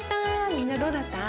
みんなどうだった？